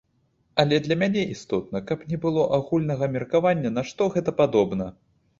Але для мяне істотна, каб не было агульнага меркавання, на што гэта падобна.